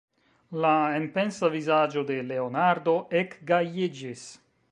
La enpensa vizaĝo de Leonardo ekgajiĝis.